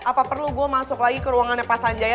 apa perlu gue masuk lagi ke ruangannya pasan jaya